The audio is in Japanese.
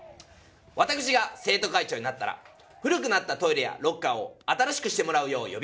わたくしが生徒会長になったら古くなったトイレやロッカーを新しくしてもらうよう呼びかけ